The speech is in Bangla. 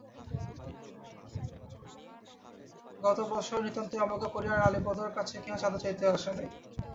গত বৎসর নিতান্তই অবজ্ঞা করিয়া কালীপদর কাছে কেহ চাঁদা চাহিতেও আসে নাই।